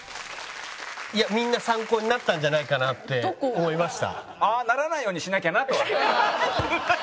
いやみんな参考になったんじゃないかなって思いました。